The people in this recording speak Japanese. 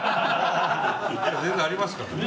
全然ありますからね。